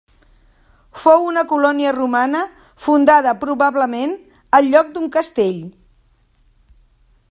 Fou una colònia romana fundada probablement al lloc d'un castell.